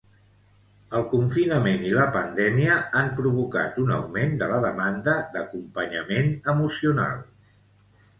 El confinament i la pandèmia han provocat un augment de la demanda d'acompanyament emocional.